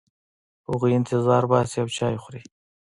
هغوی انتظار باسي او چای خوري.